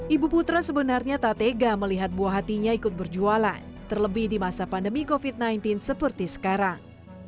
ibu putra sebenarnya tak tega melihat buah hatinya ikut berjualan terlebih di masa pandemi covid sembilan belas seperti sekarang